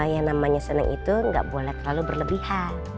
yang namanya seneng itu enggak boleh terlalu berlebihan